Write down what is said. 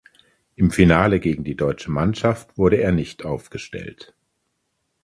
Im Finale gegen die deutsche Mannschaft wurde er nicht aufgestellt.